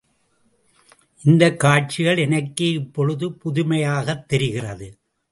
இந்தக் காட்சிகள் எனக்கே இப்பொழுது புதுமையாகத் தெரிகிறது.